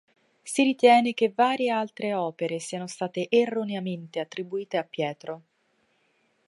Si ritiene che varie altre opere siano state erroneamente attribuite a Pietro.